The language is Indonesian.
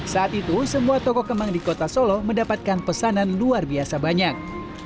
saat itu semua toko kemang di kota solo mendapatkan pesanan luar biasa banyak